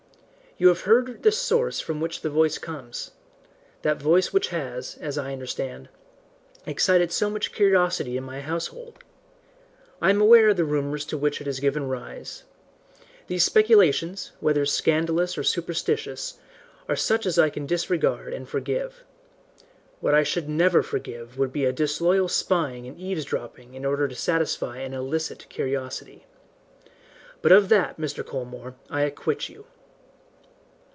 "You have heard the source from which the voice comes that voice which has, as I understand, excited so much curiosity in my household. I am aware of the rumours to which it has given rise. These speculations, whether scandalous or superstitious, are such as I can disregard and forgive. What I should never forgive would be a disloyal spying and eavesdropping in order to satisfy an illicit curiosity. But of that, Mr. Colmore, I acquit you.